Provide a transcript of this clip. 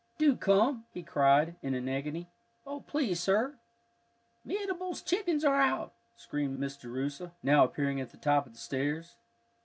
"Do come," he cried, in an agony. "Oh, please! sir." "Mehitable's chickens are out!" screamed Miss Jerusha, now appearing at the top of the stairs.